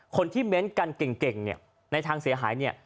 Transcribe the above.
คนที่เม้นต์กันเก่งในทางเสียหาย